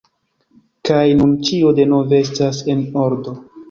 kaj nun ĉio denove estas en ordo: